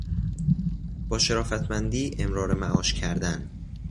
با شرافتمندی امرار معاش کردن